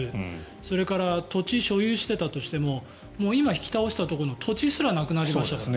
それから土地を所有していたとしても今は引き倒したところの土地すらなくなりましたからね。